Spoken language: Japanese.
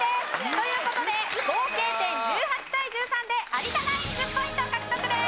という事で合計点１８対１３で有田ナイン１０ポイント獲得です。